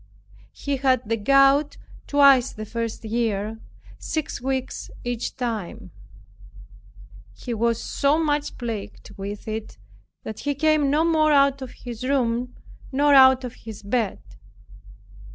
He had the gout twice the first year, six weeks each time. He was so much plagued with it, that he came no more out of his room, nor out of his bed.